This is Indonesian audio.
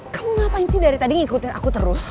kamu ngapain sih dari tadi ngikutin aku terus